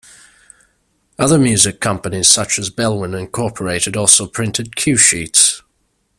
Other music companies, such as Belwin Incorporated also printed cue sheets.